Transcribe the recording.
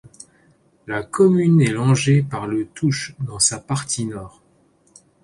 La commune est longée par le Touch dans sa partie nord.